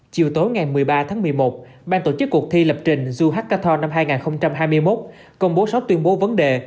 chiều tối ngày một mươi ba tháng một mươi một ban tổ chức cuộc thi lập trình juh cathon năm hai nghìn hai mươi một công bố sáu tuyên bố vấn đề